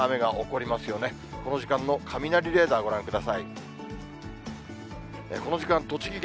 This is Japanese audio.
この時間の雷レーダーご覧ください。